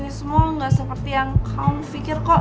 ini semua gak seperti yang kamu pikir kok